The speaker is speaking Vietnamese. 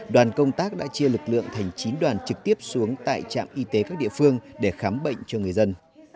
đoàn công tác đã chia lực lượng thành chín đoàn trực tiếp xuống tại trạm y tế các địa phương để khám bệnh cho người dân